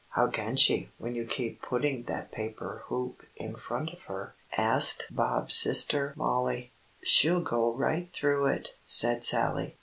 "How can she, when you keep putting that paper hoop in front of her?" asked Bob's sister Mollie. "She'll go right through it," said Sallie.